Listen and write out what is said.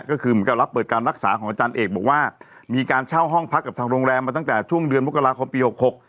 ก็คือเหมือนกับรับเปิดการรักษาของอาจารย์เอกบอกว่ามีการเช่าห้องพักกับทางโรงแรมมาตั้งแต่ช่วงเดือนมกราคมปีหกหก